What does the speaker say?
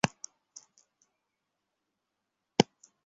এটাও ছিল সে ফুতুন বা পরীক্ষাসমূহের অন্যতম।